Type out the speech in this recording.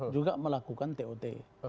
juga melakukan tot